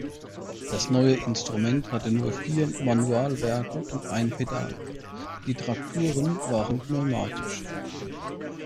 Das neue Instrument hatte nun vier Manualwerke und ein Pedal; die Trakturen waren pneumatisch.